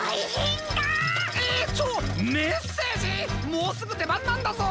もうすぐでばんなんだぞ！